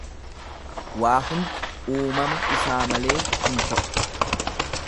Waa hundi uumama isaa malee hin ta'u.